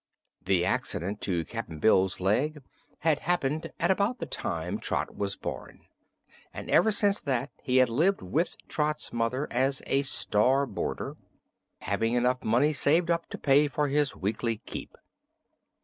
The accident to Cap'n Bill's leg bad happened at about the time Trot was born, and ever since that he had lived with Trot's mother as "a star boarder," having enough money saved up to pay for his weekly "keep."